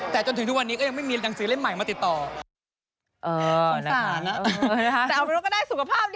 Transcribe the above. ซึ่งถึงวันนี้ก็จะไม่มีหนังสือเรียนออกมา